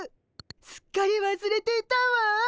すっかりわすれていたわ。